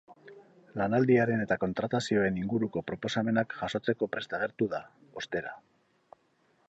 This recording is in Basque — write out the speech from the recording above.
Lanaldiaren eta kontratazioen inguruko proposamenak jasotzeko prest agertu da, ostera.